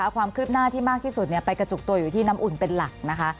ความคืบหน้าที่มากที่สุดไปกระจุกตัวอยู่ที่น้ำอุ่นเป็นหลักนะคะ